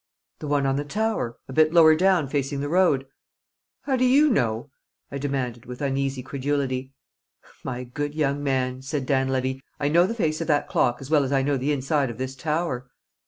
"The one on the tower, a bit lower down, facing the road." "How do you know?" I demanded, with uneasy credulity. "My good young man," said Dan Levy, "I know the face of that clock as well as I know the inside of this tower."